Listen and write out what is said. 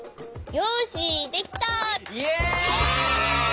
よしできた。